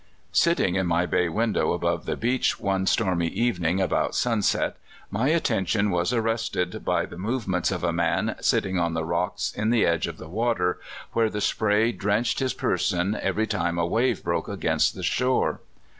Sitting in my bay window above the beach one stormy evening about sunset, my attention was arrested by the movements of a man sitting on the rocks in the edge of the water, where the spray drenched his person every time a wave broke against the shore.